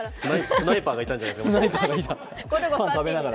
スナイパーがいたんじゃないですか、食べながら。